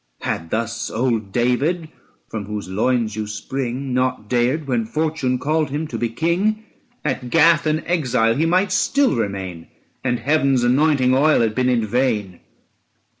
Had thus old David, from whose loins you spring, Not dared, when fortune called him to be King, At Gath an exile he might still remain, And Heaven's anointing oil had been in vain.